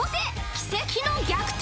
奇跡の逆転！